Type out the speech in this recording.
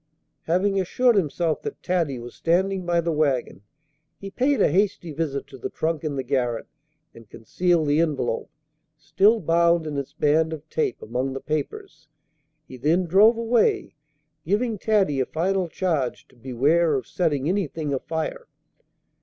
Having assured himself that Taddy was standing by the wagon, he paid a hasty visit to the trunk in the garret, and concealed the envelope, still bound in its band of tape, among the papers. He then drove away, giving Taddy a final charge to beware of setting anything afire.